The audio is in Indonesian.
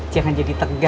jangan jadi tegang kita